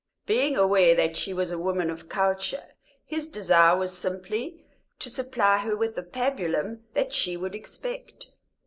Being aware that she was a woman of culture his desire was simply to supply her with the pabulum that she would expect.